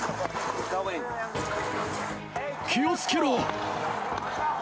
気をつけろ！